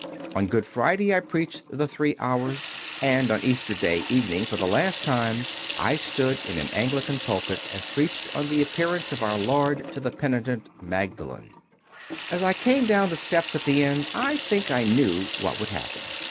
On Good Friday I preached the "Three Hours," and on Easter Day evening for the last time I stood in an Anglican pulpit and preached on the appearance of Our Lord to the penitent Magdalene. As I came down the steps at the end, I think I knew what would happen.